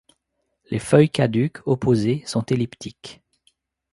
Les feuilles caduques, opposées, sont elliptiques.